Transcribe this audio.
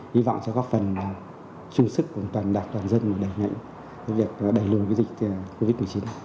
hy vọng cho các phần chung sức cùng toàn đạt toàn dân để đẩy lùi dịch covid một mươi chín